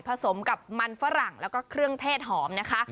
สมกับมันฝรั่งแล้วก็เครื่องเทศหอมนะคะ